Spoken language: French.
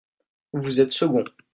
vous êtes second.